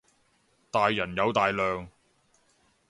大人有大量